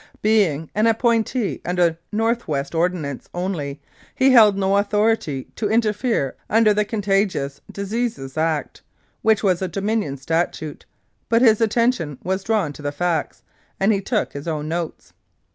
Being an appointee under North West Ordinance only, he held no authority to interfere under the Con tagious Diseases Act, which was a Dominion Statute, but his attention was drawn to the facts, and he took his own notes.